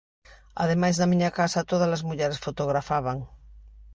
Ademais na miña casa todas as mulleres fotografaban.